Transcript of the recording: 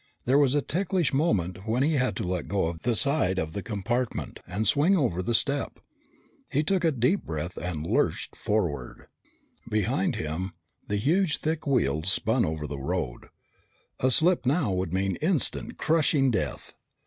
There was a ticklish moment when he had to let go of the side of the compartment and swing over on the step. He took a deep breath and lurched forward. Behind him, the huge thick wheels spun over the road. A slip now would mean instant, crushing death.